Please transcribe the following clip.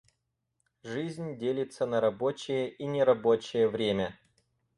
Жизнь делится на рабочее и нерабочее время.